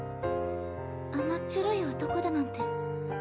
甘っちょろい男だなんて。